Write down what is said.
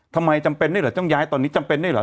ทำไมจำเป็นได้เหรอต้องย้ายตอนนี้จำเป็นได้เหรอ